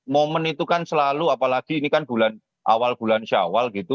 momen itu kan selalu apalagi ini kan bulan awal bulan syawal gitu